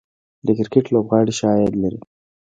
د کرکټ لوبغاړي ښه عاید لري